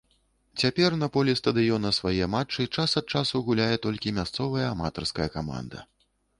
Цяпер на полі стадыёна свае матчы час ад часу гуляе толькі мясцовая аматарская каманда.